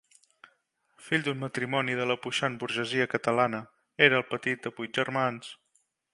Fill d'un matrimoni de la puixant burgesia catalana, era el petit de vuit germans.